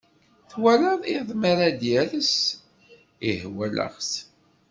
Twalaḍ iḍ mi ara d-ires? Ih walaɣ-t.